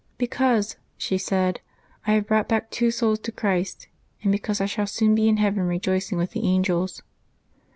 Because,'^ she said, *^ I have brought back two souls to Christ, and because I shall soon be in heaven rejoicing with the angels."